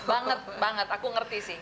banget banget aku ngerti sih